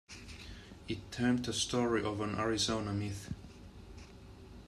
It termed the story an Arizona myth.